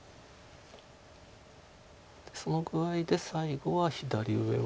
その具合で最後は左上は。